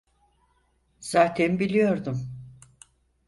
Zaten biliyordum.